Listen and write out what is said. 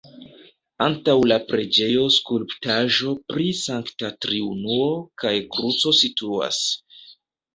Antaŭ la preĝejo skulptaĵo pri Sankta Triunuo kaj kruco situas.